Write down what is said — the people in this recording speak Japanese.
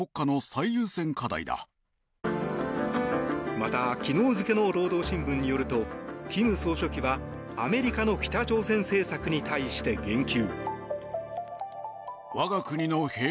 また、昨日付の労働新聞によると金総書記はアメリカの北朝鮮政策に対して言及。